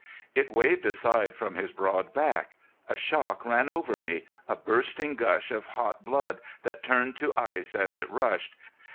It waved aside from his broad back. A shock ran over me a bursting gush of hot blood that turned to ice as it rushed.